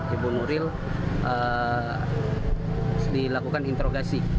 ibu nuril dilakukan interogasi